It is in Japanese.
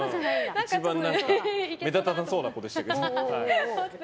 目立たなそうな子でしたけど。